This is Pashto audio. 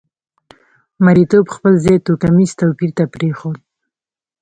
مریتوب خپل ځای توکمیز توپیر ته پرېښود.